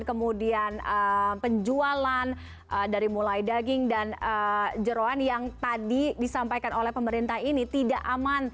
kemudian penjualan dari mulai daging dan jerawan yang tadi disampaikan oleh pemerintah ini tidak aman